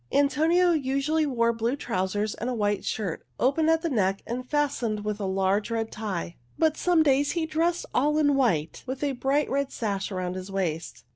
Antonio usually wore blue trousers and a white shirt, open at the neck and fastened with a large red tie. But some days he dressed all in white, with a bright red sash around his waist.